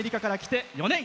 アメリカから来て４年。